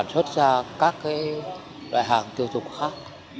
xuất ra các cái loại hàng tiêu dụng khác